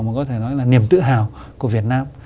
mà có thể nói là niềm tự hào của việt nam